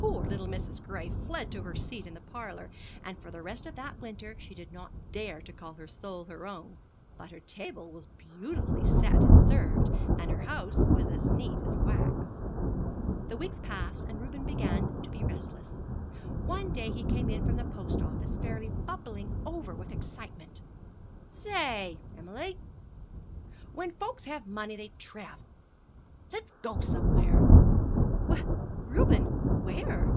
Poor little Mrs. Gray fled to her seat in the parlor, and for the rest of that winter she did not dare to call her soul her own; but her table was beautifully set and served, and her house was as neat as wax. The weeks passed and Reuben began to be restless. One day he came in from the post office fairly bubbling over with excitement. "Say, Em'ly, when folks have money they travel. Let's go somewhere!" "Why, Reuben where?"